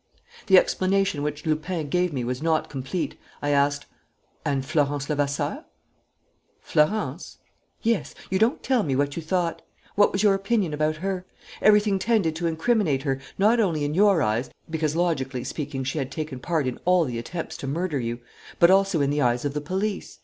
The explanation which Lupin gave me was not complete. I asked: "And Florence Levasseur?" "Florence?" "Yes, you don't tell me what you thought. What was your opinion about her? Everything tended to incriminate her not only in your eyes, because, logically speaking, she had taken part in all the attempts to murder you, but also in the eyes of the police.